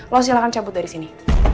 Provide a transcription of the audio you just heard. lo silahkan cabut dari sini